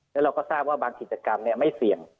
แล้วเราก็ทราบว่าบางกิจกรรมไม่เสี่ยง